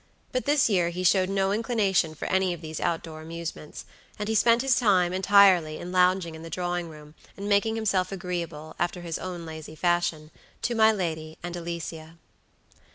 But this year he showed no inclination for any of these outdoor amusements, and he spent his time entirely in lounging in the drawing room, and making himself agreeable, after his own lazy fashion, to my lady and Alicia.